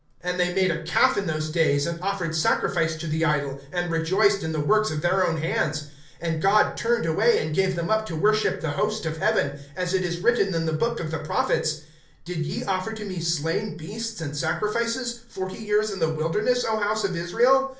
(41)And they made a calf in those days, and offered sacrifice to the idol, and rejoiced in the works of their own hands. (42)And God turned away, and gave them up to worship the host of heaven; as it is written in the book of the prophets: Did ye offer to me slain beasts and sacrifices, Forty years in the wilderness, O house of Israel?